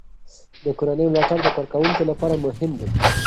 د کورنۍ ملاتړ د کارکوونکو لپاره مهم دی.